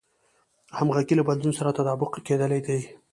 همغږي له بدلون سره تطابق کېدل دي.